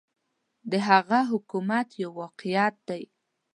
د هغه حکومت یو واقعیت دی.